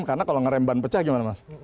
karena kalau ngerem ban pecah gimana mas